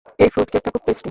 এই ফ্রুটকেকটা খুব টেস্টি!